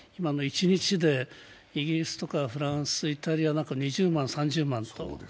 一日でイギリスとかフランス、イタリアなんか２０万、３０万と。